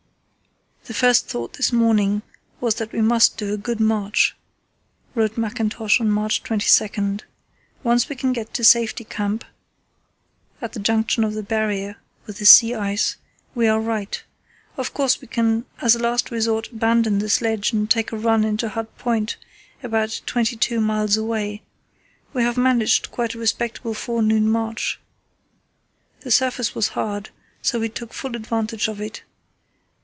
"The first thought this morning was that we must do a good march," wrote Mackintosh on March 22. "Once we can get to Safety Camp (at the junction of the Barrier with the sea ice) we are right. Of course, we can as a last resort abandon the sledge and take a run into Hut Point, about twenty two miles away.... We have managed quite a respectable forenoon march. The surface was hard, so we took full advantage of it.